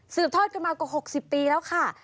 ทอดกันมากว่า๖๐ปีแล้วค่ะ